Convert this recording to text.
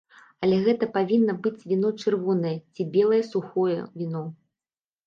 Але гэта павінна быць віно чырвонае ці белае сухое віно.